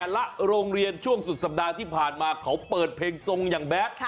โรงเรียนช่วงสุดสัปดาห์ที่ผ่านมาเขาเปิดเพลงทรงอย่างแบท